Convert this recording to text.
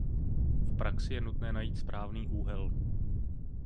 V praxi je nutné najít správný úhel.